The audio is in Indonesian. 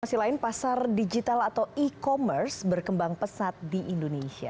masih lain pasar digital atau e commerce berkembang pesat di indonesia